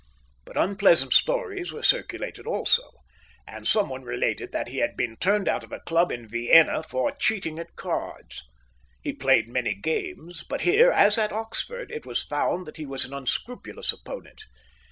But unpleasant stories were circulated also, and someone related that he had been turned out of a club in Vienna for cheating at cards. He played many games, but here, as at Oxford, it was found that he was an unscrupulous opponent.